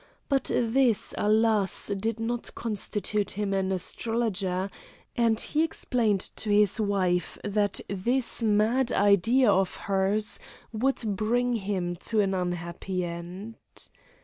But this, alas! did not constitute him an astrologer, and he explained to his wife that this mad idea of hers would bring him to an unhappy end.